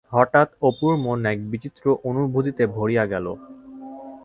হঠাৎ অপুর মন এক বিচিত্র অনুভূতিতে ভরিয়া গেল।